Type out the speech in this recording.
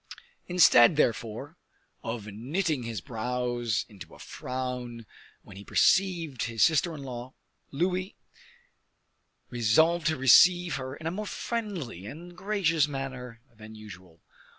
Instead, therefore, of knitting his brows into a frown when he perceived his sister in law, Louis resolved to receive her in a more friendly and gracious manner than usual.